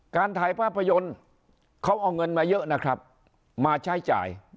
การถ่ายภาพยนตร์เขาเอาเงินมาเยอะนะครับมาใช้จ่าย